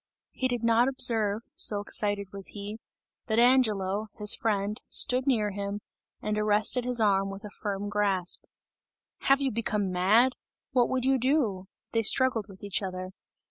He did not observe so excited was he that Angelo, his friend, stood near him, and arrested his arm with a firm grasp. "Have you become mad? What would you do?" They struggled with each other.